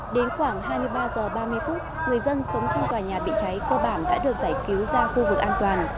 đến khoảng hai mươi ba h ba mươi phút người dân sống trong tòa nhà bị cháy cơ bản đã được giải cứu ra khu vực an toàn